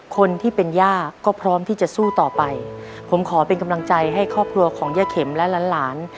คนที่เป็นย่าก็พร้อมที่จะสู้ต่อไปผมขอเป็นกำลังใจให้ครอบครัวของย่าเข็มและหลานหลาน